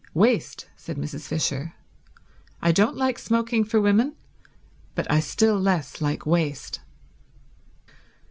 "Waste," said Mrs. Fisher. "I don't like smoking for women, but I still less like waste."